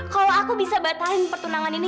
kalau aku bisa batalin pertunangan ini